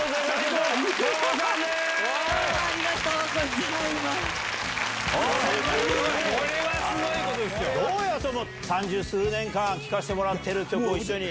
どうよ、その、三十数年間きかしてもらっている曲を一緒に。